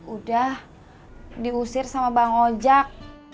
udah diusir sama bang ojak